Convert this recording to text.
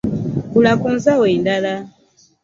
Gula ku nsawo endala.